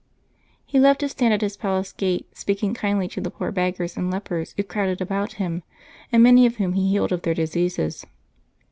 He loved to stand at his palace gate, speaking kindly to the poor beggars and lepers who crowded about him, and many of whom he healed of their diseases.